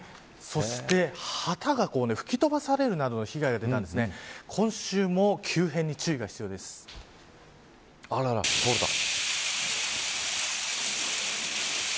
そして、旗が吹き飛ばされるなどの被害が出たんですあらら、倒れた。